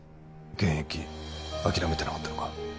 現役諦めてなかったのか？